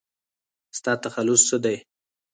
ستا تخلص څه دی ؟